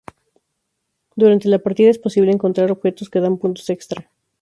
Durante la partida, es posible encontrar objetos que dan puntos extra.